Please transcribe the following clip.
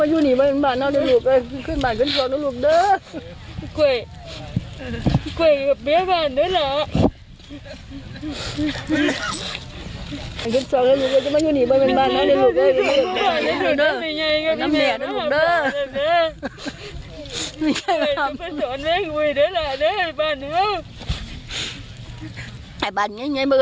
คือกามแห่งให้เกิดขึ้นแม่เป็นแม่ดีครับฟันเป็นสองส่องและเท่านั้นจะเป็นแห่งหลานและนางสาว